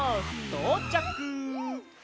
とうちゃく。